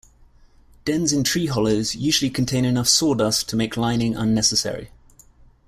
Dens in tree hollows usually contain enough sawdust to make lining unnecessary.